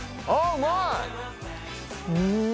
うまい！